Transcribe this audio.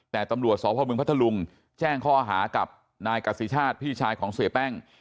แต่ตำรวจสพมพัทธลุงแจ้งข้อหากับนายกษิชาติพี่ชายของเสียแป้ง